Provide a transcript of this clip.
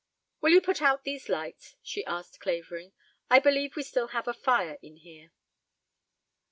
"Will you put out these lights?" she asked Clavering. "I believe we still have a fire in here."